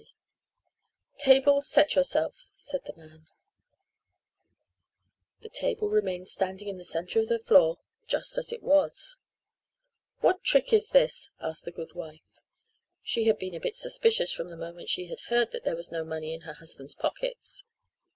"Table, set yourself," said the man. [Illustration: "Table, set yourself," said the man] The table remained standing in the center of the floor just as it was. "What trick is this?" asked the good wife. She had been a bit suspicious from the moment she had heard that there was no money in her husband's pockets.